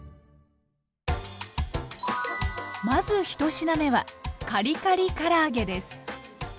まず１品目はカリカリから揚げです。